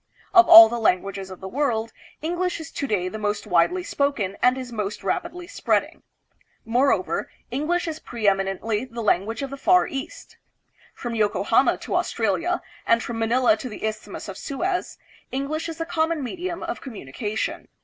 Of all the languages of the world, English is to day the most widely spoken and is most rapidly spreading. Moreover, English is pre eminently the language of the Far East. From Yoko hama to Australia, and from Manila to the Isthmus of Suez, English is the common medium of communication.